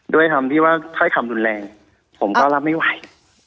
ด้วยคำที่ว่าถ้อยคำรุนแรงผมก็รับไม่ไหว